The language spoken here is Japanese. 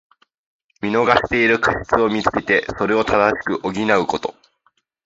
見逃している過失をみつけて、それを正し補うこと。